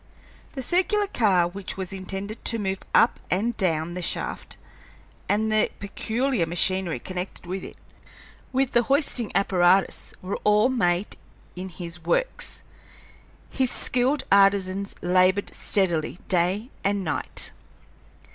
The circular car which was intended to move up and down the shaft, and the peculiar machinery connected with it, with the hoisting apparatus, were all made in his Works. His skilled artisans labored steadily day and night.